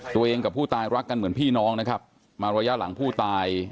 กับผู้ตายรักกันเหมือนพี่น้องนะครับมาระยะหลังผู้ตาย